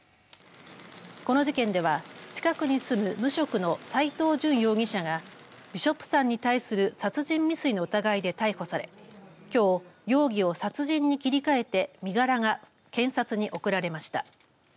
この事件では近くに住む無職の斎藤淳容疑者がビショップさんに対する殺人未遂の疑いで逮捕されきょう容疑を殺人に切り替えて身柄が検察に送られました。